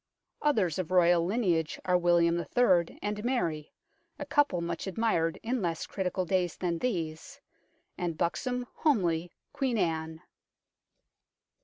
Others of Royal lineage are William III. and Mary, a couple much admired in less critical days than these, and buxom, homely Queen Anne.